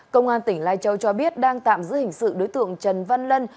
công an tỉnh lai châu cho biết đang tạm giữ hình sự đối tượng trần văn lân